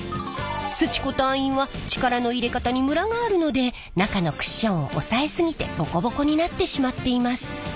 すち子隊員は力の入れ方にムラがあるので中のクッションを押さえ過ぎてボコボコになってしまっています。